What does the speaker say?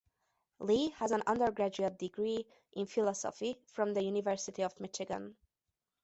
Lee has an undergraduate degree in philosophy from the University of Michigan.